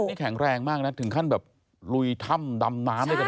นี่แข็งแรงมากนะถึงขั้นแบบลุยถ้ำดำน้ำด้วยกัน